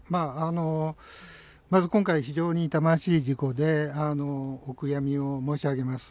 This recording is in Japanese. まず今回、非常に痛ましい事故で、お悔やみを申し上げます。